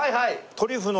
トリュフの。